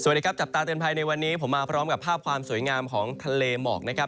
ครับจับตาเตือนภัยในวันนี้ผมมาพร้อมกับภาพความสวยงามของทะเลหมอกนะครับ